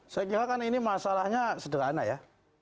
saya kira kan ini masalahnya sederhana ya